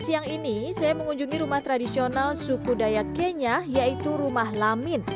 siang ini saya mengunjungi rumah tradisional suku dayak kenya yaitu rumah lamin